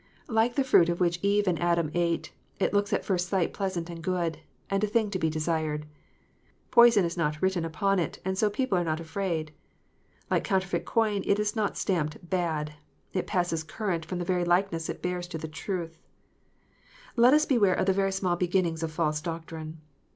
Like the fruit of which Eve and Adam ate, it looks at first sight pleasant and good, and a thing to be desired. Poison is not written upon it, and so people are not afraid. Like counter feit coin, it is not stamped "bad:" it passes current from the very likeness it bears to the truth. Let us beware of the very small beginnings of false doctrine.